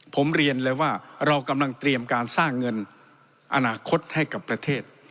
ผมเรียนเลยว่าเรากำลังเตรียมการสร้างเงินอนาคตให้กับประเทศ